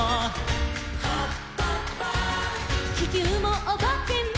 「ききゅうもおばけも」